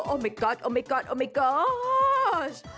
โอ้มายก๊อดโอมายก๊อดโอมายก๊อด